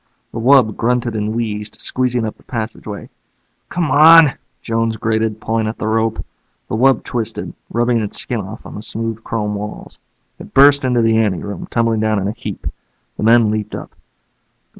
The wub grunted and wheezed, squeezing up the passageway. "Come on," Jones grated, pulling at the rope. The wub twisted, rubbing its skin off on the smooth chrome walls. It burst into the ante room, tumbling down in a heap. The men leaped up.